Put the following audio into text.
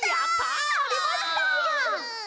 ありました。